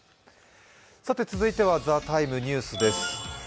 続いては「ＴＨＥＴＩＭＥ，ニュース」です